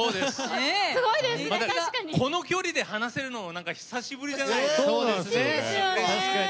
この距離で話せるのもなんか久しぶりじゃない？